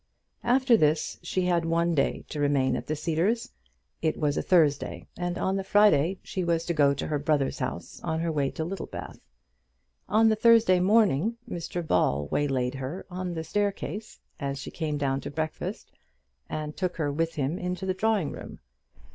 After this she had one day to remain at the Cedars. It was a Thursday, and on the Friday she was to go to her brother's house on her way to Littlebath. On the Thursday morning Mr Ball waylaid her on the staircase, as she came down to breakfast, and took her with him into the drawing room.